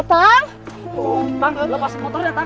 tatang lepasin motornya